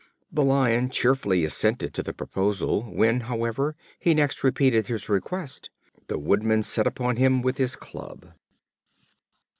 The Lion cheerfully assented to the proposal: when, however, he next repeated his request, the woodman set upon him with his club.